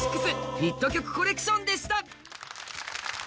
ヒット曲コレクションでした。